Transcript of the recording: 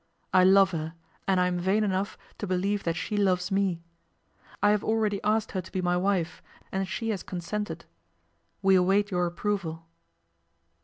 I love her, and I am vain enough to believe that she loves me. I have already asked her to be my wife, and she has consented. We await your approval.